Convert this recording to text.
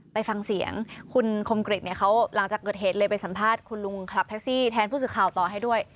ไปฟังเสียงคุณคมกริจเนี่ยเขาหลังจากเกิดเหตุเลยไปสัมภาษณ์คุณลุงขับแท็กซี่แทนผู้สื่อข่าวต่อให้ด้วย